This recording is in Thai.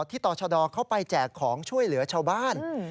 ต่อชะดอเข้าไปแจกของช่วยเหลือชาวบ้าน